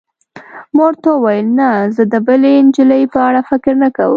ما ورته وویل: نه، زه د بلې نجلۍ په اړه فکر نه کوم.